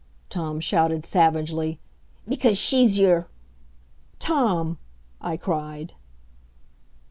Tom shouted savagely. "Because she's your " "Tom!" I cried.